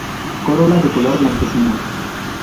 Corola de color blanquecino.